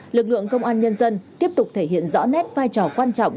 lực lượng công an nhân dân tiếp tục thể hiện rõ nét vai trò quan trọng